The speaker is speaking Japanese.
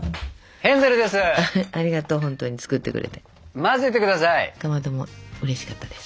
ヘンゼルです！